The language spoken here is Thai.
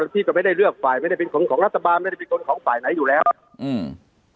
พี่ก็ไม่ได้เลือกต่อไหนอยู่แล้วอืม